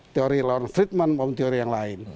teori lawan friedman maupun teori yang lain